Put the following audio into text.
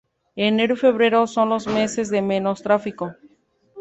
Enero y febrero son los meses de menos tráfico.